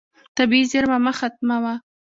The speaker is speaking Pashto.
طبیعي زیرمه مه ختموه.